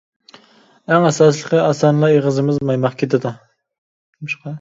ئەڭ ئاساسلىقى ئاسانلا ئېغىزىمىز مايماق كېتىدۇ.